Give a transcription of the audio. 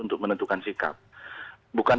untuk menentukan sikap bukan